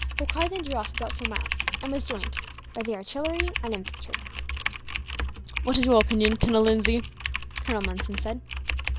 Holkar then drew off about four miles, and was joined by the artillery and infantry. "What is your opinion, Captain Lindsay?" Colonel Monson said.